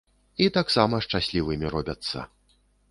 І таксама шчаслівымі робяцца.